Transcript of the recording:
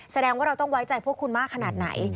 แสดงว่าเราต้องไว้ใจพวกคุณมากขนาดไหน